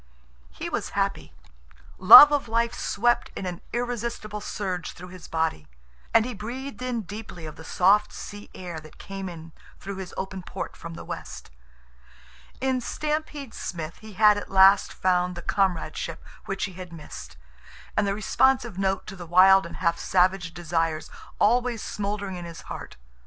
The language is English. He was happy. Love of life swept in an irresistible surge through his body, and he breathed in deeply of the soft sea air that came in through his open port from the west. In Stampede Smith he had at last found the comradeship which he had missed, and the responsive note to the wild and half savage desires always smoldering in his heart.